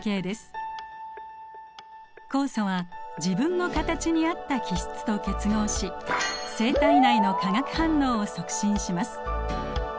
酵素は自分の形に合った基質と結合し生体内の化学反応を促進します。